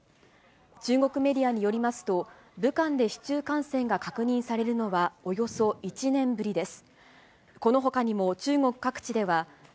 中国メディアによりますと、武漢で市中感染が確認されるのはおよそ１年ぶりです。